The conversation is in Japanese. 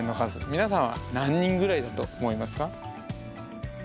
皆さんは何人ぐらいだと思いますか？